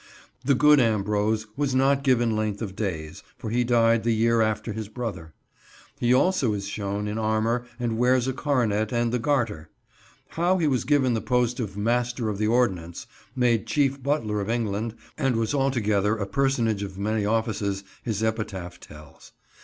The good Ambrose was not given length of days, for he died the year after his brother. He also is shown in armour and wears a coronet and the Garter. How he was given the post of "Mayster of the Ordinaunce," made Chief Butler of England, and was altogether a personage of many offices, his epitaph tells.